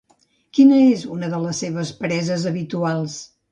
Quina és una de les seves preses habituals?